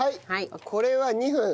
これは２分。